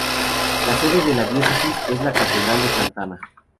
La sede de la Diócesis es la Catedral de Santa Ana.